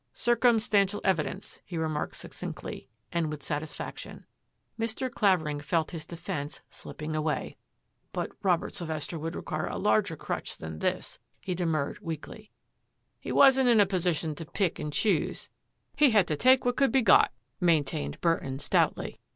" Circumstantial evidence," he remarked suc cinctly, and with satisfaction. Mr. Clavering felt his defence slipping away. 98 THAT AFFAIR AT THE MANOR " But Robert Sylvester would require a larger crutch than this," he demurred, weakly. ^^ He wasn't in a position to pick and choose. He had to take what could be got," maintained Burton stoutly.